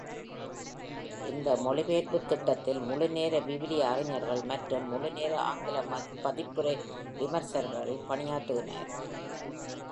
இந்த மொழிபெயர்ப்பு திட்டத்தில் முழுநேர விவிலிய அறிஞர்கள் மற்றும் முழுநேர ஆங்கில பதிப்புரை விமர்சகர்கள் பணியாற்றினர்.